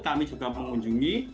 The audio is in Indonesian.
kami juga mengunjungi